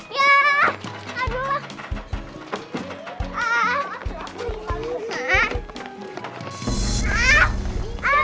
indah kamu kenapa